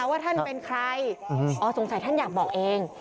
ว่าท่านเป็นใครอ๋อสงสัยท่านอยากบอกเอง